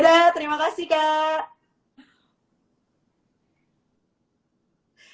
dadah terima kasih kak